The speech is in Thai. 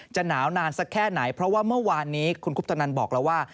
หนาวนานสักแค่ไหนเพราะว่าเมื่อวานนี้คุณคุปตนันบอกแล้วว่า